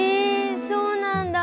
そうなんだ。